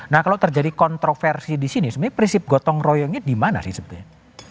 nah kalau terjadi kontroversi di sini sebenarnya prinsip gotong royongnya di mana sih sebetulnya